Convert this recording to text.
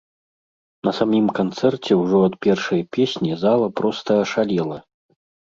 На самім канцэрце ўжо ад першай песні зала проста ашалела.